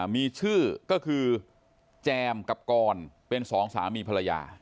มีชื่อก็คือแจมกับกรเป็นสองสามีภรรยา